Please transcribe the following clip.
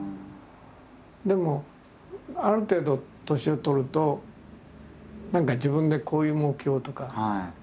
でもある程度年を取ると何か自分でこういう目標とか。